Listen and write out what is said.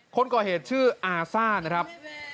คนก่อเหตุชื่ออาซ่านะครับ